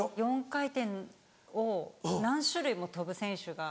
４回転を何種類も跳ぶ選手が。